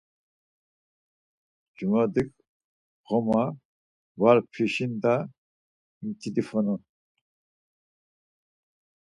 Cumadik ğoma var p̌işindğa mit̆ilifonu.